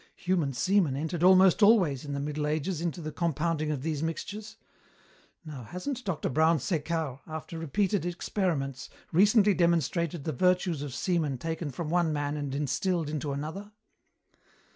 Human semen entered almost always, in the Middle Ages, into the compounding of these mixtures. Now, hasn't Dr. Brown Sequard, after repeated experiments, recently demonstrated the virtues of semen taken from one man and instilled into another?